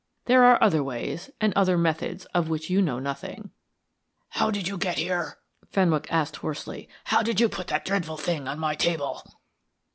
There are other ways and other methods of which you know nothing." "How did you get here?" Fenwick asked hoarsely. "How did you put that dreadful thing on my table?"